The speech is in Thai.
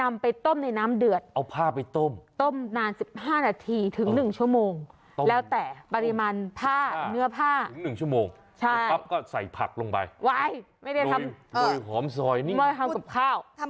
ไม่ได้ทำโดยหอมซอยนี่ไม่ได้ทำกับข้าวทำกับข้าวเหรอคะ